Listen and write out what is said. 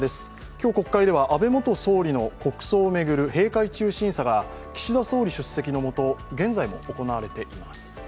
今日、国会では安倍元総理の国葬を巡る閉会中審査が岸田総理出席の下現在も行われています。